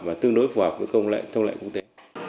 và tương đối phù hợp với công lợi công lợi quốc tế